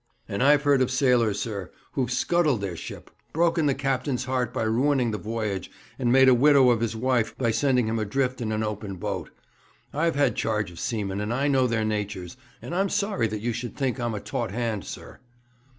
'And I've heard of sailors, sir, who've scuttled their ship, broken the captain's heart by ruining the voyage, and made a widow of his wife by sending him adrift in an open boat. I've had charge of seamen, and I know their natures, and I'm sorry that you should think I'm a taut hand, sir.'